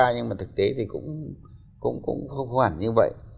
nhưng mà thực tế thì cũng không hoàn như vậy